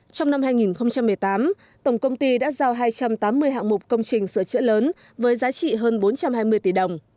trong năm hai nghìn một mươi tám tổng công ty đã giao hai trăm tám mươi hạng mục công trình sửa chữa lớn với giá trị hơn bốn trăm hai mươi tỷ đồng